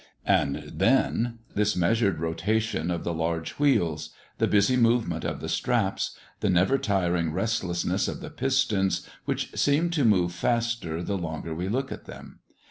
And then this measured rotation of the large wheels; the busy movement of the straps; the never tiring restlessness of the pistons, which seem to move faster the longer we look at them.